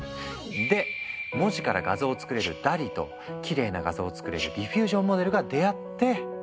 で文字から画像を作れるＤＡＬＬ・Ｅときれいな画像を作れるディフュージョンモデルが出会って。